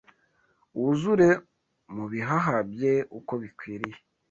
wuzure mu bihaha bye uko bikwiriye